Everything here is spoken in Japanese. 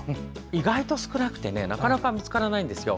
意外と少なくてなかなか見つからないんですよ。